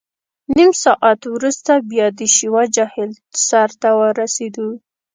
نیم ساعت وروسته بیا د شیوا جهیل سر ته ورسېدو.